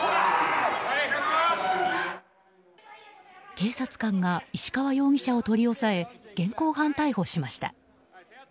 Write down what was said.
警察官が石川容疑者を取り押さえ現行犯逮捕しました。